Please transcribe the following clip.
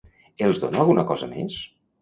Els dóna alguna cosa més?